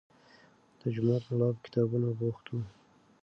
د جومات ملا په کتابونو بوخت و.